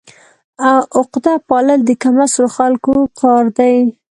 عقده پالل د کم اصلو خلکو کار دی.